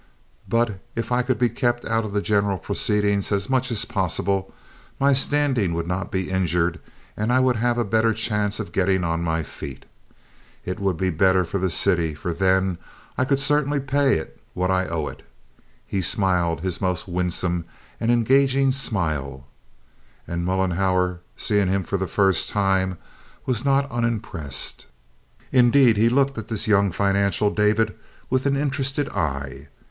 "But if I could be kept out of the general proceedings as much as possible, my standing would not be injured, and I would have a better chance of getting on my feet. It would be better for the city, for then I could certainly pay it what I owe it." He smiled his most winsome and engaging smile. And Mollenhauer seeing him for the first time, was not unimpressed. Indeed he looked at this young financial David with an interested eye.